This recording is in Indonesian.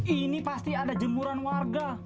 ini pasti ada jemuran warga